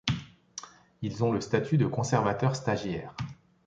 Ils ont le statut de conservateur stagiaire.